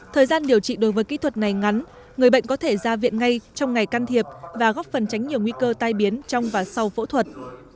thời gian điều trị đối với kỹ thuật này ngắn người bệnh có thể ra viện ngay trong ngày can thiệp và góp phần tránh nhiều nguy cơ tai biến trong và sau phẫu thuật